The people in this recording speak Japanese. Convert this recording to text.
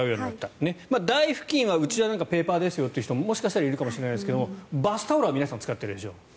台布巾はうちはペーパーですよという人がもしかしたらいるかもしれないですがバスタオルは皆さん毎日使ってるでしょう。